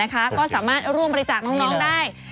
ก็สามารถร่วมบริจาคน้องได้